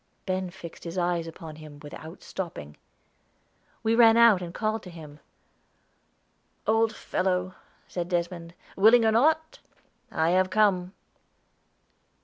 Ben fixed his eyes upon him, without stopping. We ran out, and called to him. "Old fellow," said Desmond, "willing or not, I have come."